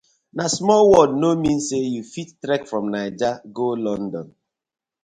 Na small world no mean say you fit trek from Naija go London: